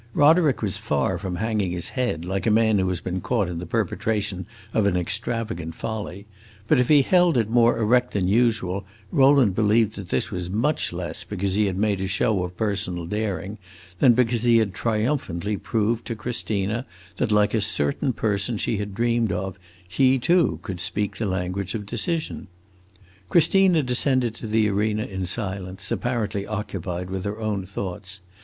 Roderick was far from hanging his head, like a man who has been caught in the perpetration of an extravagant folly; but if he held it more erect than usual Rowland believed that this was much less because he had made a show of personal daring than because he had triumphantly proved to Christina that, like a certain person she had dreamed of, he too could speak the language of decision. Christina descended to the arena in silence, apparently occupied with her own thoughts.